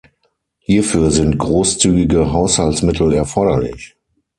Hierfür sind großzügige Haushaltsmittel erforderlich.